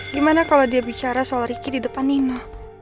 gimana kalau dia bicara soal ricky di depan nina